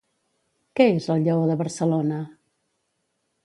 Què és el Lleó de Barcelona?